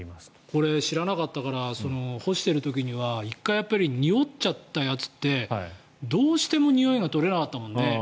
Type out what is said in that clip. これ知らなかったから干している時には１回、におっちゃったやつってどうしてもにおいが取れなかったもんね。